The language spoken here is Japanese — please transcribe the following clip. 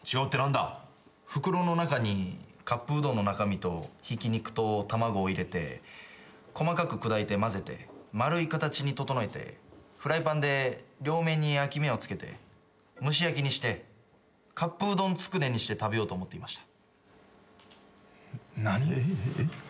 だから袋の中にカップうどんの中身とひき肉と卵を入れて細かく砕いて混ぜてそれを丸い形に整えてフライパンで両面に焼き目をつけてそれを蒸し焼きにしてカップうどんつくねにして食べようと思ってました。